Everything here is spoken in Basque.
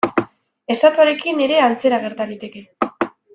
Estatuarekin ere antzera gerta liteke.